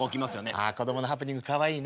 子供のハプニングかわいいね。